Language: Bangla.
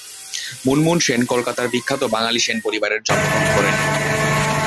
মুনমুন সেন কলকাতার বিখ্যাত বাঙালী সেন পরিবারে জন্মগ্রহণ করেন।